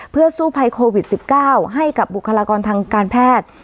เพื่อสู้ภัยโควิด๑๙ให้กับบุคลากรทางการแพทย์